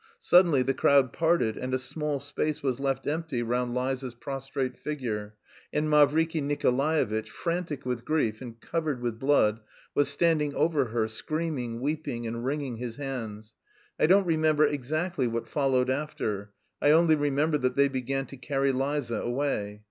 Suddenly the crowd parted and a small space was left empty round Liza's prostrate figure, and Mavriky Nikolaevitch, frantic with grief and covered with blood, was standing over her, screaming, weeping, and wringing his hands. I don't remember exactly what followed after; I only remember that they began to carry Liza away.